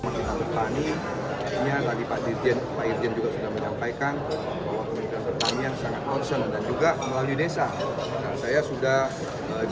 makinan petani akhirnya tadi pak dirjen juga sudah menyampaikan